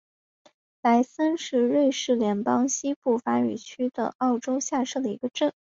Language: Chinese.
莱森是瑞士联邦西部法语区的沃州下设的一个镇。